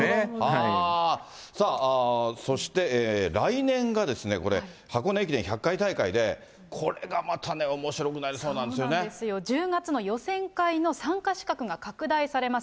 さあ、そして来年が箱根駅伝１００回大会で、これがまたね、そうなんですよ、１０月の予選会の参加資格が拡大されます。